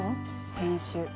先週。